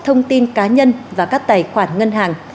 thông tin cá nhân và các tài khoản ngân hàng